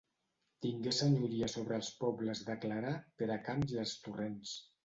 Tingué senyoria sobre els pobles de Clarà, Peracamps i els Torrents.